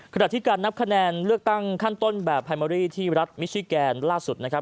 ขณะที่การนับคะแนนเลือกตั้งขั้นต้นแบบไฮเมอรี่ที่รัฐมิชิแกนล่าสุดนะครับ